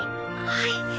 はい。